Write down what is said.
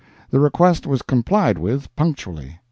The request was complied with, punctually.